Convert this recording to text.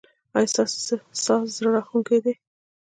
ایا ستاسو ساز زړه راښکونکی دی؟